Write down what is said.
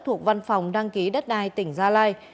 thuộc văn phòng đăng ký đất đai tỉnh gia lai